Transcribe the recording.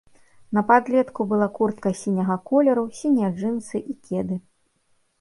На падлетку была куртка сіняга колеру, сінія джынсы і кеды.